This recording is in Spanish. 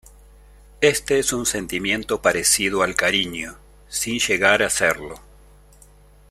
Este es un sentimiento parecido al cariño, sin llegar a serlo.